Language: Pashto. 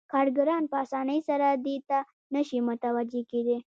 کارګران په اسانۍ سره دې ته نشي متوجه کېدای